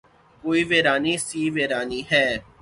کوئی ویرانی سی ویرانی ہے